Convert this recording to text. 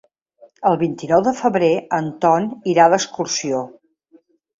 El vint-i-nou de febrer en Ton irà d'excursió.